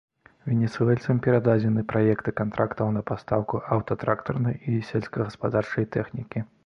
Венесуэльцам перададзены праекты кантрактаў на пастаўку аўтатрактарнай і сельскагаспадарчай тэхнікі.